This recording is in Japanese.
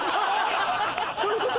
どういうこと？